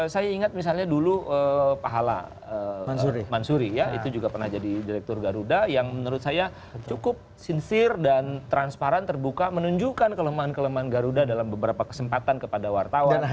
saya ingat misalnya dulu pak hala mansuri ya itu juga pernah jadi direktur garuda yang menurut saya cukup sincir dan transparan terbuka menunjukkan kelemahan kelemahan garuda dalam beberapa kesempatan kepada wartawan